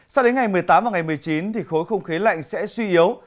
sao đến ngày một mươi tám và ngày một mươi chín thì khối không khí lạnh sẽ suy yếu